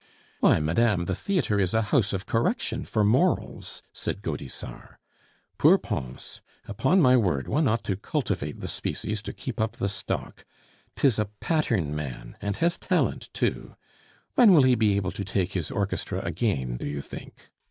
"Why, madame, the theatre is a house of correction for morals," said Gaudissart. "Poor Pons! Upon my word, one ought to cultivate the species to keep up the stock. 'Tis a pattern man, and has talent too. When will he be able to take his orchestra again, do you think?